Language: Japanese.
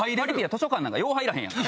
図書館なんか入らへんやんか。